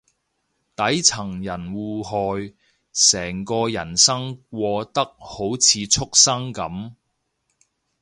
底層人互害，成個人生過得好似畜生噉